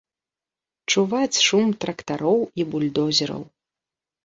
Чуваць шум трактароў і бульдозераў.